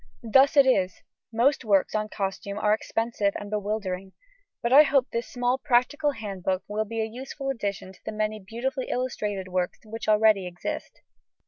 Thus it is, most works on costume are expensive and bewildering; but I hope this small practical handbook will be a useful addition to the many beautifully illustrated works which already exist.